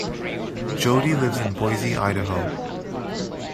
Jodi lives in Boise, Idaho.